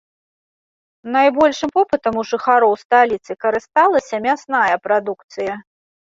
Найбольшым попытам у жыхароў сталіцы карысталася мясная прадукцыя.